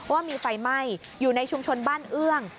ว่ามีไฟไหม้อยู่ในชุมชนบ้านเอื้อง